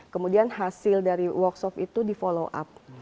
kemudian hasil dari workshop itu di follow up